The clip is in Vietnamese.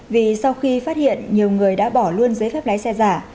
vì sau khi phát hiện nhiều người đã bỏ luôn giấy phép lái xe giả